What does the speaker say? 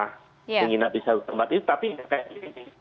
tapi tidak seperti ini